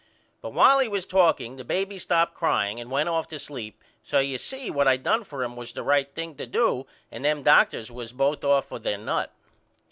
But while he was talking the baby stopped crying and went off to sleep so you see what I done for him was the right thing to do and them doctors was both off of there nut.